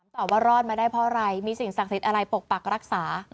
ตอบว่ารอดมาได้เพราะอะไรมีสิ่งศักดิ์สิทธิ์อะไรปกปักรักษา